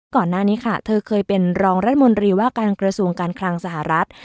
ก่อนหน้านี้ค่ะเธอเคยเป็นรองรัฐมนตรีว่าการกระทรวงการคลังสหรัฐ